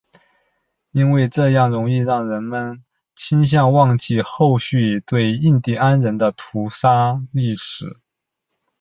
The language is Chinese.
因为这样容易让人们倾向忘记后续对印第安人的杀戮历史。